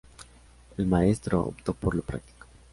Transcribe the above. El maestro optó por lo práctico.